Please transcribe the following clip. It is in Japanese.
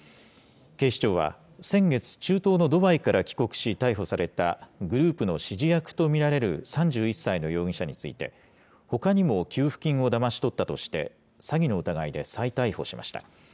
警視庁は、先月、中東のドバイから帰国し逮捕された、グループの指示役と見られる３１歳の容疑者について、ほかにも給付金をだまし取ったとして、詐欺の疑いで再逮捕しました。